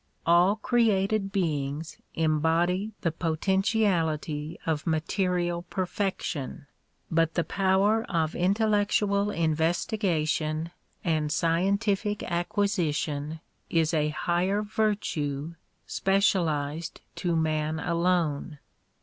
All created beings embody the potentiality of material j^erfection, but the power of intellectual investigation and scientific acquisition is a higher virtue specialized to man alone.